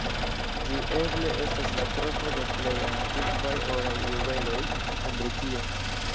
Ĝi eble estas la trovo de plej antikvaj oraj juveloj en Britio.